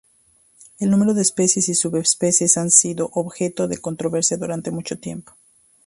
El número de especies y subespecies has sido objeto de controversia durante mucho tiempo.